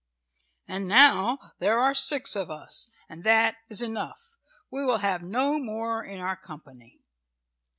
And now there are six of us, and that is enough. We will have no more in our company."